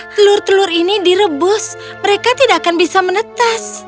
telur telur ini direbus mereka tidak akan bisa menetas